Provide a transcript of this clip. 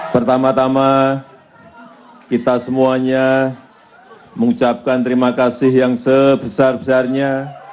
pertama tama kita semuanya mengucapkan terima kasih yang sebesar besarnya